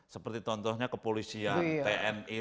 seperti contohnya kepolisian tni